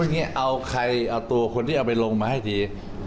เอาตัวคนที่เอาไปลงมาให้ดี